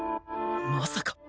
まさか